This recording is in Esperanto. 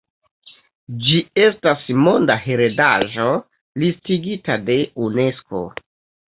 Ĝi estas Monda Heredaĵo listigita de Unesko.